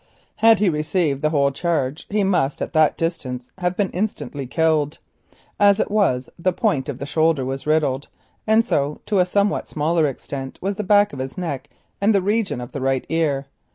Had he received the whole charge he must, at that distance, have been instantly killed. As it was, the point of the shoulder was riddled, and so to a somewhat smaller extent was the back of his neck and the region of the right ear.